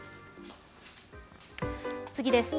次です。